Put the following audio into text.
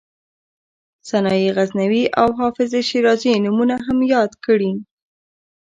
سنایي غزنوي او حافظ شیرازي نومونه هم یاد کړي.